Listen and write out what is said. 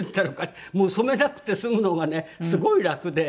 もう染めなくて済むのがねすごい楽で。